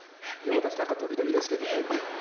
私なんか時々ですけどね。